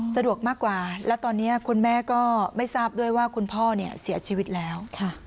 สะดวกมากกว่าและตอนนี้คุณแม่ก็ไม่ทราบด้วยว่าคุณพ่อเสียชีวิตแล้ว